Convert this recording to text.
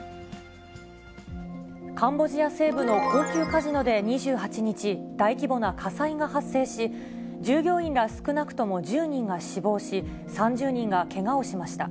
カンボジア西部の高級カジノで２８日、大規模な火災が発生し、従業員ら少なくとも１０人が死亡し、３０人がけがをしました。